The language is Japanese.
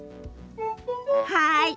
はい。